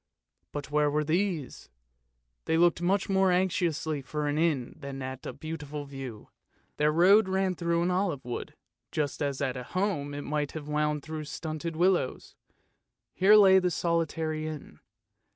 But where were these? They looked much more anxiously for an inn than at the beautiful view. Their road ran through an olive wood, just as at home it might have wound through stunted willows ; here lay the solitary inn.